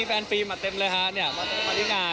มีแฟนฟีมาเต็มเลยมีเฉพาะที่งาน